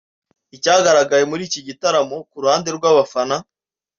Icyagaragaye muri iki gitaramo ku ruhande rw’abafana